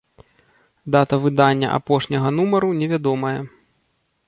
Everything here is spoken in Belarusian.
Дата выдання апошняга нумару невядомая.